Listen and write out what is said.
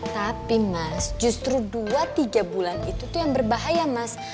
tapi mas justru dua tiga bulan itu tuh yang berbahaya mas